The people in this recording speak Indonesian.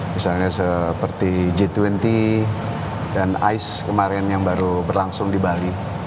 misalnya seperti g dua puluh dan ice kemarin yang baru berlangsung di bali